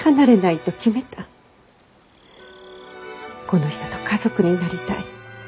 この人と家族になりたい。